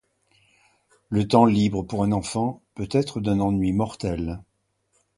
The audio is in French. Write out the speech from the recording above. Le temps libre pour un enfant peut être d'un ennui mortel.